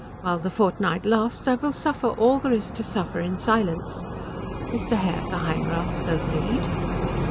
While the fortnight lasts I will suffer all there is to suffer in silence. Is the Herr Geheimrath agreed?"